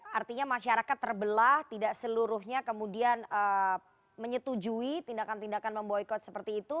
artinya masyarakat terbelah tidak seluruhnya kemudian menyetujui tindakan tindakan memboykot seperti itu